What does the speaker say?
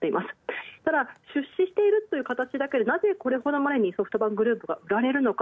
ただ出資しているというかたちですが、なぜこれほどまでに、ソフトバンクグループが売られるのか。